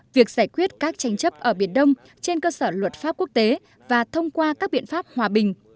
việc giải quyết các tranh chấp ở biển đông trên cơ sở luật pháp quốc tế và thông qua các biện pháp hòa bình